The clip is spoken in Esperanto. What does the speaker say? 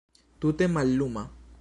Tute malluma.